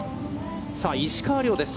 さあ、石川遼です。